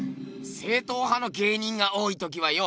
正統派の芸人が多いときはよ